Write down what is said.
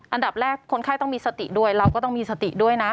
อันดับแรกคนไข้ต้องมีสติด้วยเราก็ต้องมีสติด้วยนะ